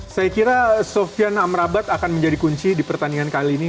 saya kira sofian amrabat akan menjadi kunci di pertandingan kali ini